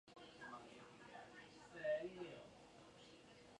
康氏宗祠的历史年代为清代。